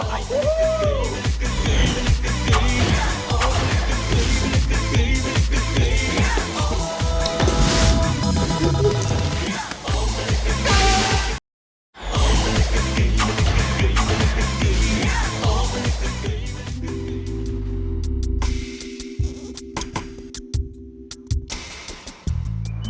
โปรดติดตามตอนต่อไป